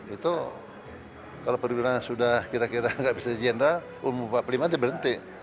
itu kalau perwira sudah kira kira nggak bisa jenderal umur empat puluh lima dia berhenti